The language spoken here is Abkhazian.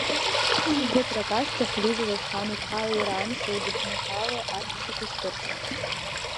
Ԥыҭрак ашьҭахь, Лиза Зосҳан-иԥҳа лира амш лыдныҳәало, аҵәцақәа шьҭырхуан…